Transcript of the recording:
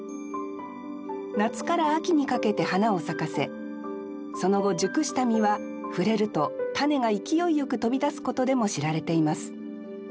夏から秋にかけて花を咲かせその後熟した実は触れると種が勢いよく飛び出すことでも知られています